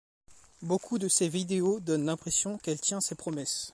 Beaucoup de ses vidéos donnent l'impression qu'elle tient ses promesses.